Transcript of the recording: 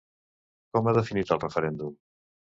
Com ha definit el referèndum?